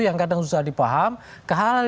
yang kadang susah dipaham ke hal hal